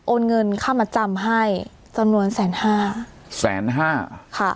เงินค่ามาจำให้จำนวนแสนห้าแสนห้าค่ะ